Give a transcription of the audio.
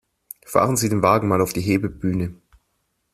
Fahren Sie den Wagen mal auf die Hebebühne!